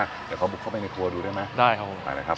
เดี๋ยวก็บุกเข้าไปในครัวดูได้ไหมนะครับ